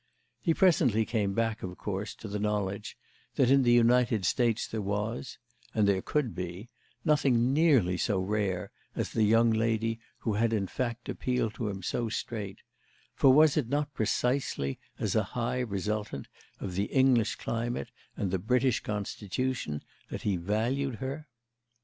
He presently came back of course to the knowledge that in the United States there was—and there could be—nothing nearly so rare as the young lady who had in fact appealed to him so straight, for was it not precisely as a high resultant of the English climate and the British constitution that he valued her?